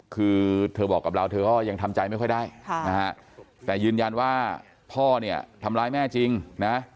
คือเธอบอกกับเราเธอก็ยังทำใจไม่ค่อยได้นะฮะแต่ยืนยันว่าพ่อเนี่ยทำร้ายแม่จริงนะ